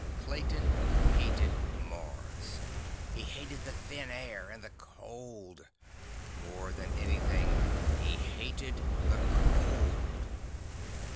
Clayton hated Mars. He hated the thin air and the cold. More than anything, he hated the cold.